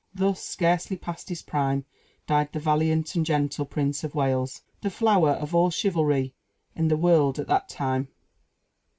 Thus, scarcely past his prime, died "the valiant and gentle Prince of Wales, the flower of all chivalry in the world at that time."